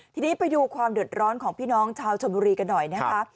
ทีนี้ไปดูความเดือดร้อนของพี่น้องชาวชนบุรีกันหน่อยนะคะ